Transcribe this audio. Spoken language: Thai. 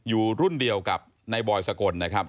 อยู่รุ่นเดียวกับนายบอยสกลนะครับ